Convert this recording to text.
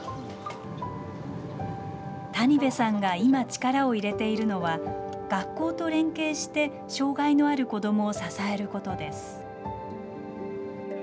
谷部さんが今、力を入れているのは、学校と連携して障害のある子どもを支えることです。